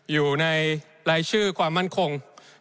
อยู่ในรายชื่อความมั่นคง